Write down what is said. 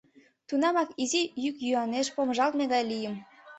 Тунамак изи йӱк-йӱанеш помыжалтме гай лийым.